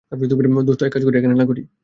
দোস্ত, এককাজ করি, এখানে না করি।